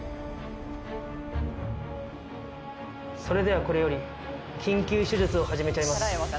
それではこれより緊急手術を始めちゃいます。